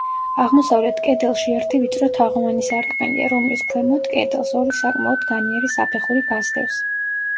აღმოსავლეთ კედელში ერთი ვიწრო თაღოვანი სარკმელია, რომლის ქვემოთ, კედელს, ორი საკმაოდ განიერი საფეხური გასდევს.